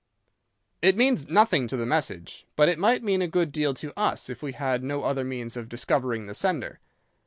"'It means nothing to the message, but it might mean a good deal to us if we had no other means of discovering the sender.